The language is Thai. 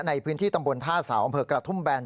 ในพื้นที่ตำบลท่าเสาอำเภอกระทุ่มแบน